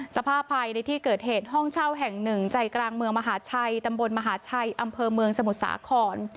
สภาพภัยในที่เกิดเหตุห้องเช่าแห่งหนึ่งใจกลางเมืองมหาชัยตำบลมหาชัยอำเภอเมืองสมุทรสาคร